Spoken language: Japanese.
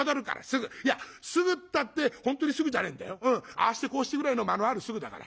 ああしてこうしてぐらいの間のあるすぐだから。